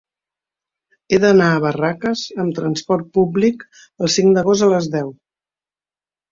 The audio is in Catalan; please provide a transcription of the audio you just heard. He d'anar a Barraques amb transport públic el cinc d'agost a les deu.